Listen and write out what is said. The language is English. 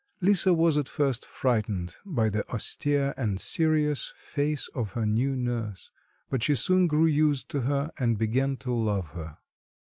Lisa was at first frightened by the austere and serious face of her new nurse; but she soon grew used to her and began to love her.